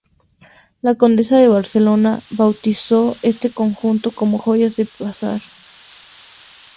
La condesa de Barcelona, bautizó este conjunto como "joyas de pasar".